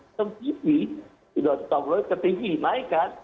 item tv di tabloid ke tv naik kan